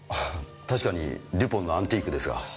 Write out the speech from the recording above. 確かにデュポンのアンティークですが。